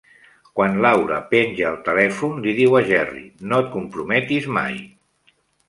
Quan Laura penja el telèfon li diu a Jerry: No et comprometis mai.